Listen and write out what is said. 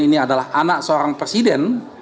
ini adalah anak seorang presiden